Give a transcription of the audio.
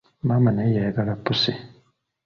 Maama naye yayagala pussi.